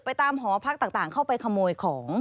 ตามหอพักต่างเข้าไปขโมยของ